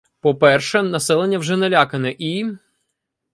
По-перше, населення вже налякане і